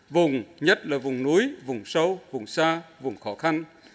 vùng nhất là vùng núi vùng sâu vùng xa vùng khó khăn